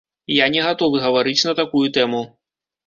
Я не гатовы гаварыць на такую тэму.